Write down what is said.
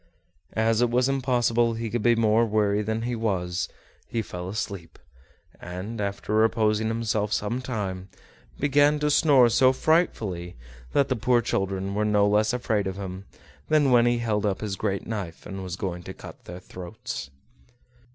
As it was impossible he could be more weary than he was, he fell asleep, and, after reposing himself some time, began to snore so frightfully that the poor children were no less afraid of him than when he held up his great knife and was going to cut their throats.